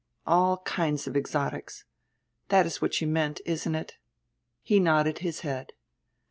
All kinds of exotics. That is about what you meant, isn't it?" He nodded his head.